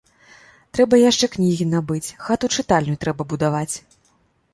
Трэба яшчэ кнігі набыць, хату-чытальню трэба будаваць.